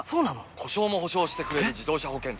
故障も補償してくれる自動車保険といえば？